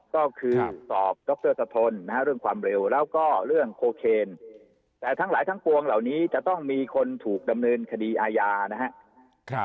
ก็คือสอบดรสะทนนะฮะเรื่องความเร็วแล้วก็เรื่องโคเคนแต่ทั้งหลายทั้งปวงเหล่านี้จะต้องมีคนถูกดำเนินคดีอาญานะครับ